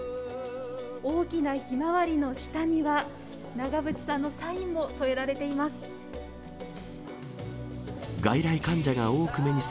大きなひまわりの下には、長渕さんのサインも添えられています。